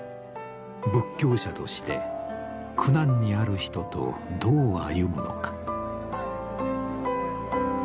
仏教者として苦難にある人とどう歩むのか。